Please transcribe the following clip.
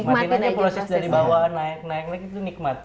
makin aja proses dari bawah naik naik itu nikmat